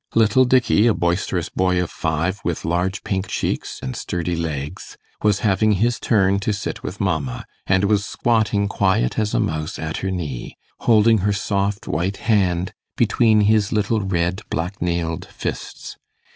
Little Dickey, a boisterous boy of five, with large pink cheeks and sturdy legs, was having his turn to sit with Mamma, and was squatting quiet as a mouse at her knee, holding her soft white hand between his little red black nailed fists.